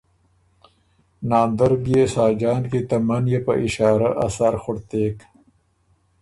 ناندر بيې ساجان کی ته منيې په اِشارۀ ا سر خُړتېک